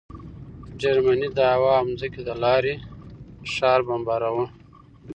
جرمني د هوا او ځمکې له لارې ښار بمباراوه